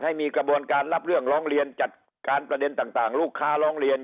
ให้มีกระบวนการรับเรื่องร้องเรียนจัดการประเด็นต่างลูกค้าร้องเรียน